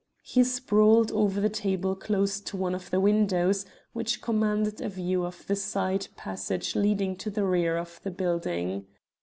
He sprawled over the table close to one of the windows which commanded a view of the side passage leading to the rear of the building.